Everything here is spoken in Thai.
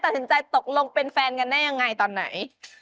ตัดสินใจตกลงเป็นแฟนกันได้ยังไงตอนไหน